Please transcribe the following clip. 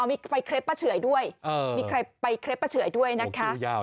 มีใครประเฉยด้วยเออมีใครไปประเฉยด้วยนะคะโอ้ยาว